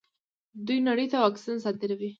دوی نړۍ ته واکسین صادروي.